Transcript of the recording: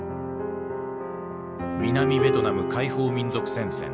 南ベトナム解放民族戦線